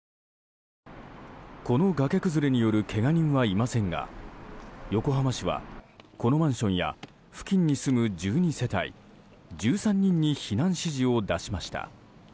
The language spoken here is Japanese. この崖崩れによるけが人はいませんが横浜市は、このマンションや付近に住む１２世帯１３人に避難指示を出しました。